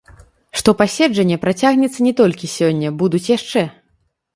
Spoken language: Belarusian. Што паседжанне працягнецца не толькі сёння, будуць яшчэ.